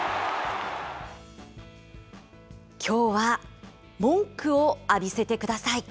きょうは文句を浴びせてください！